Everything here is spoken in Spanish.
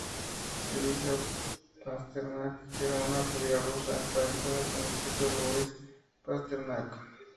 Eliza Pasternak era una judía rusa, emparentada con el escritor Boris Pasternak.